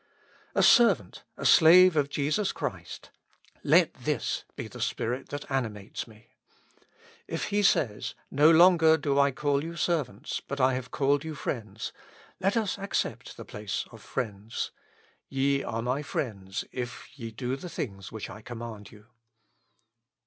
A servant, a slave of Jesus Christ, — let this be the spirit that animates me. I^ He says, *' No longer do I call you servants, but I 187 With Christ in the School of Prayer. have called you friends," let us accept the place of friends :'* Ye are my friends if ye do the things which I command you."